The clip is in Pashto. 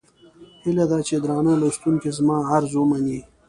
هيله ده چې درانه لوستونکي زما عرض ومني.